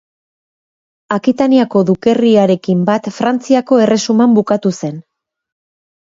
Akitaniako dukerriarekin bat Frantziako erresuman bukatu zen.